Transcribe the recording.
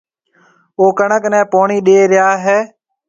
او ڪڻڪ نَي پوڻِي ڏيَ ريا هيَ۔